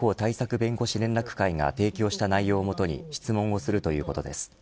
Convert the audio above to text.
弁護士連絡会が提供した内容を基に質問をするということです。